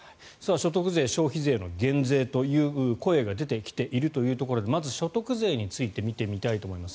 所得税、消費税の減税という声が出てきているというところでまず所得税について見ていきます。